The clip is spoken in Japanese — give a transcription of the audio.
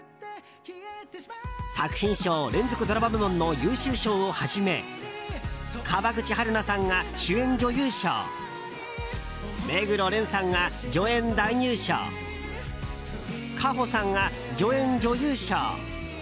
作品賞連続ドラマ部門の優秀賞をはじめ川口春奈さんが主演女優賞目黒蓮さんが助演男優賞夏帆さんが助演女優賞。